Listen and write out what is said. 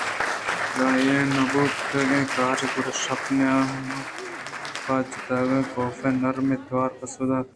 اگاں اے نہ بوتگیں کارےگُڑا شپ ءِ نیم ءَ پاد چیاکُتگ ؟ کاف ءَ نرمیں توارے ءَ پسو دات